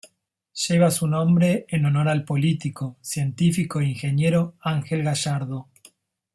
Lleva su nombre en honor al político, científico e ingeniero Ángel Gallardo.